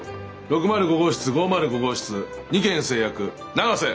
６０５号室５０５号室２件成約永瀬！